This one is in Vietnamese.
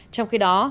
trong khi đó